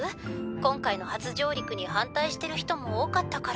今回の初上陸に反対してる人も多かったから。